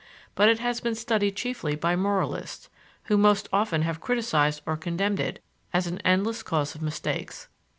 But it has been studied chiefly by moralists, who most often have criticised or condemned it as an endless cause of mistakes.